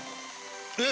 えっ！